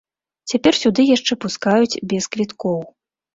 Цяпер сюды яшчэ пускаюць без квіткоў.